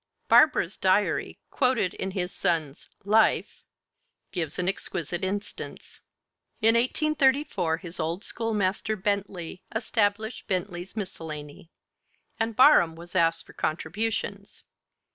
Barbara's diary, quoted in his son's (Life,) gives an exquisite instance. In 1834 his old schoolmaster Bentley established Bentley's Miscellany; and Barham was asked for contributions.